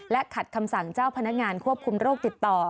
ขัดคำสั่งเจ้าพนักงานควบคุมโรคติดต่อ